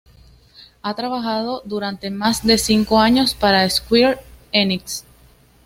Ha trabajado durante más de cinco años para Square Enix.